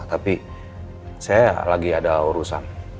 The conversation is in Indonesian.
tapi saya lagi ada urusan